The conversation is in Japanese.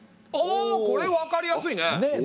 ああこれ分かりやすいね。